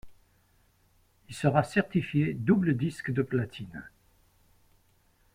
Il sera certifié double disque de platine.